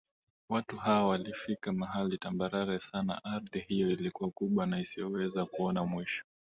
Watu hawa walifika mahali tambarare sana Ardhi hiyo ilikuwa kubwa na usioweza kuona mwisho